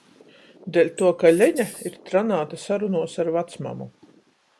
Deļtuo, ka Lene ir trenāta sarunuos ar vacmamu.